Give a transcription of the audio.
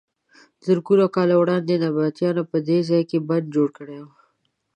زرګونه کاله وړاندې نبطیانو په دې ځای کې بند جوړ کړی و.